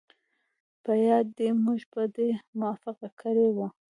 په یاد دي موږ په دې موافقه کړې وه